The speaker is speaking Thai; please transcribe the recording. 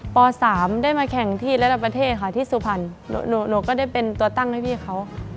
ป๓ได้มาแข่งที่ระดับประเทศค่ะที่สุพรรณหนูก็ได้เป็นตัวตั้งให้พี่เขา